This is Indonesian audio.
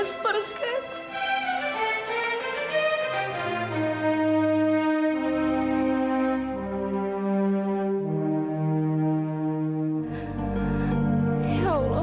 kenapa hasilnya begini